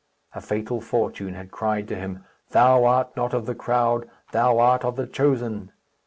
_" A fatal fortune had cried to him, "Thou art not of the crowd; thou art of the chosen!"